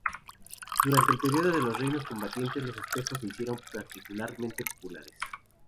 Durante el período de los Reinos Combatientes los espejos se hicieron particularmente populares.